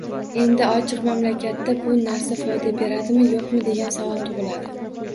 Endi, ochiq mamlakatda bu narsa foyda beradimi, yo‘qmi, degan savol tug‘iladi.